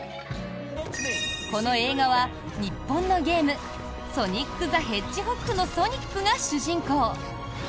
この映画は日本のゲーム「ソニック・ザ・ヘッジホッグ」のソニックが主人公。